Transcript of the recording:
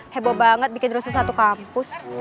heboh banget bikin rusun satu kampus